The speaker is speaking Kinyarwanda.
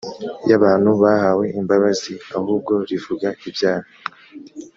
y abantu bahawe imbabazi ahubwo rivuga ibyaha